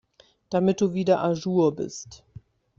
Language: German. Damit du wieder à jour bist.